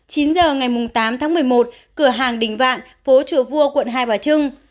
chín h ngày tám tháng một mươi một cửa hàng đình vạn phố chùa vua quận hai bà trưng